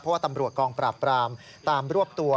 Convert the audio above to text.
เพราะว่าตำรวจกองปราบปรามตามรวบตัว